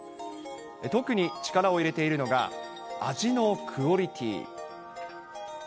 特に力を入れているのが、味のクオリティー。